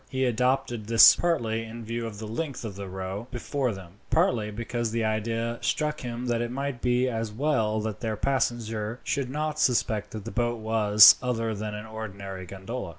He adopted this partly in view of the length of the row before them, partly because the idea struck him that it might be as well that their passenger should not suspect that the boat was other than an ordinary gondola.